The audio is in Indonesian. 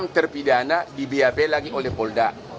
enam terpidana di bap lagi oleh polda